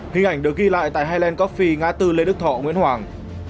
hình ảnh được ghi lại tại highland coffee nga tư lê đức thọ nguyễn hoàng